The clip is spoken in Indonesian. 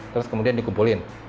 terus kemudian dikumpulin